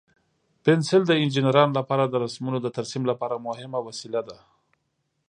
پنسل د انجینرانو لپاره د رسمونو د ترسیم لپاره مهم وسیله ده.